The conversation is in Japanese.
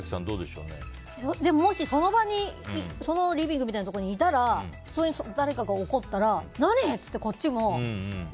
もしその場にリビングみたいなところにいたら普通に誰かが怒ったら何？って、こっちも何？